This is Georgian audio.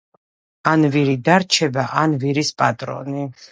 ან ვირი დარჩება, ან ვირის პატრონი